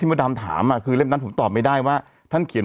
ตอบไม่ได้ว่าท่านเขียนไว้ในยุคสมัยไหน